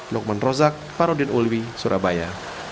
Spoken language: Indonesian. dokmen rozak farodin uliwi surabaya